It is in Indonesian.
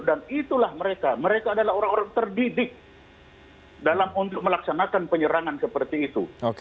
dan itulah mereka mereka adalah orang orang terdidik untuk melaksanakan penyerangan seperti itu